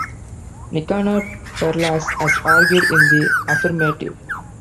Nicanor Perlas has argued in the affirmative.